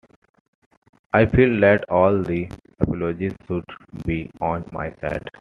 I feel that all the apologies should be on my side.